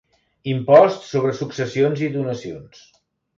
Impost sobre successions i donacions.